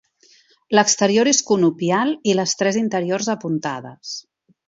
L'exterior és conopial i les tres interiors apuntades.